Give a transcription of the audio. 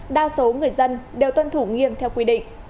đa số người dân đều tuân thủ nghiêm theo quy định